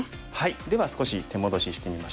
では少し手戻ししてみましょうかね。